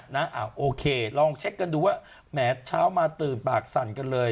โอเคลองเช็คกันดูว่าแหมเช้ามาตื่นปากสั่นกันเลย